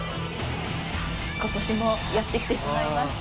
今年もやって来てしまいました